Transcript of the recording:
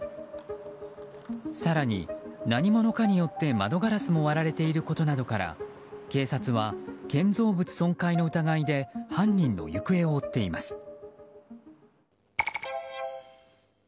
更に何者かによって窓ガラスも割られていることなどから警察は建造物損壊の疑いで犯人の行方を追っています。